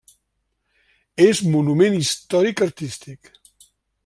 És Monument Històric Artístic.